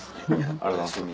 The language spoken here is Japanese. ありがとうございます。